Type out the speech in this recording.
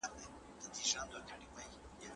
موږ چي ول غنم به په کرونده کي وي باره په ګودام کي ول